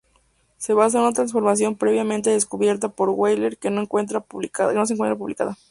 Se basa en una transformación previamente descubierta por Wheeler que no se encuentra publicada.